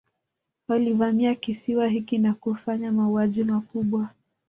Walivamia kisiwa hiki na kufanya mauaji makubwa